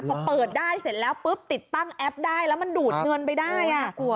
พอเปิดได้เสร็จแล้วปุ๊บติดตั้งแอปได้แล้วมันดูดเงินไปได้